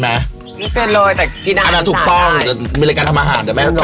แฮนท์ซุกกันร่อนเหนียได้ไหม